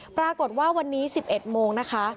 ปรากฏว่าวันนี้๑๑โมงนะคะ